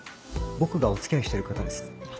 僕がお付き合いしてる方です。